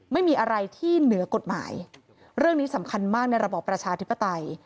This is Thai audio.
ไม่มีอะไรที่เหนือกฎหมายเรื่องนี้สำคัญมากในระบอบประชาธิปไตย